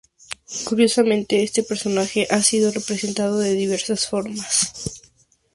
Curiosamente, este personaje ha sido representado de diversas formas.